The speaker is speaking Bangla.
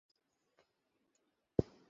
আমার হৃদয় ভেঙে খানখান হয়ে যাচ্ছে।